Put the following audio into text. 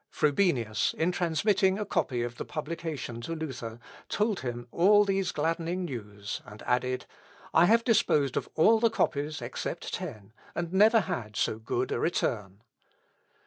Frobenius, in transmitting a copy of the publication to Luther, told him all these gladdening news, and added, "I have disposed of all the copies except ten, and never had so good a return."